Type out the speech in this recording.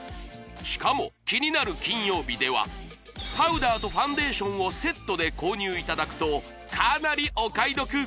しかも「キニナル金曜日」ではパウダーとファンデーションをセットで購入いただくとかなりお買い得！